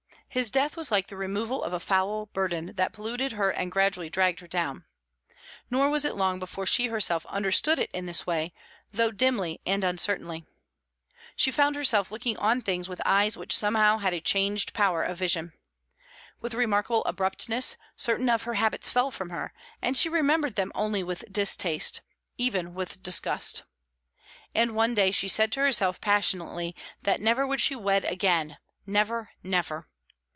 His death was like the removal of a foul burden that polluted her and gradually dragged her down. Nor was it long before she herself understood it in this way, though dimly and uncertainly. She found herself looking on things with eyes which somehow had a changed power of vision. With remarkable abruptness, certain of her habits fell from her, and she remembered them only with distaste, even with disgust. And one day she said to herself passionately that never would she wed again never, never!